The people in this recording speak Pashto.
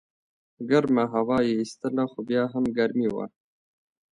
ګرمه هوا یې ایستله خو بیا هم ګرمي وه.